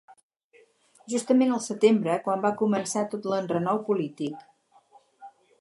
Justament al setembre, quan va començar tot l’enrenou polític.